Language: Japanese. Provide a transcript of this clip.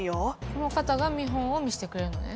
この方が見本を見してくれるのね。